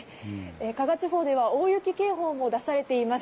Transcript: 加賀地方では大雪警報も出されています。